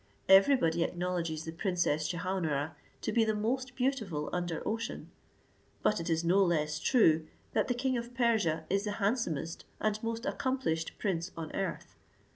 Everybody acknowledges the Princess Jehaun ara to be the most beautiful under ocean: but it is no less true, that the king of Persia is the handsomest and most accomplished prince on earth.